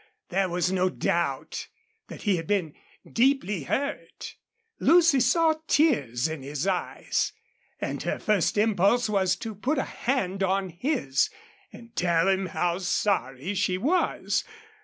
There was no doubt that he had been deeply hurt. Lucy saw tears in his eyes, and her first impulse was to put a hand on his and tell him how sorry she was.